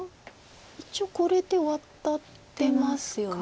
一応これでワタってますよね。